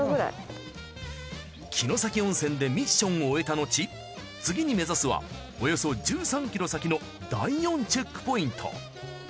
城崎温泉でミッションを終えたのち次に目指すはおよそ１３ｋｍ先の第４チェックポイント。